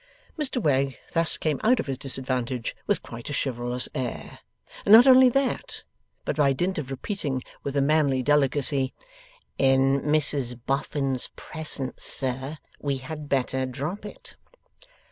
Mr Wegg thus came out of his disadvantage with quite a chivalrous air, and not only that, but by dint of repeating with a manly delicacy, 'In Mrs Boffin's presence, sir, we had better drop it!